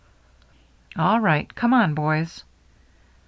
"All right. Come on, boys."